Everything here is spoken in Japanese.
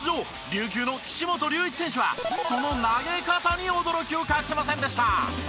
琉球の岸本隆一選手はその投げ方に驚きを隠せませんでした。